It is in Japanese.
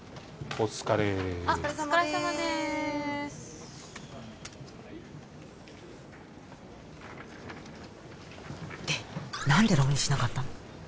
お疲れさまでーすお疲れさまでーすで何で浪人しなかったの？